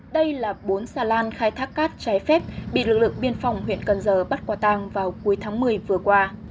đây là bốn xà lan khai thác cát trái phép bị lực lượng biên phòng huyện cần giờ bắt quả tang vào cuối tháng một mươi vừa qua